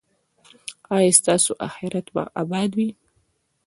ایا ستاسو اخرت به اباد وي؟